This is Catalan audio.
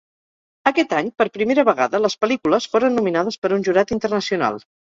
Aquest any per primera vegada les pel·lícules foren nominades per un jurat internacional.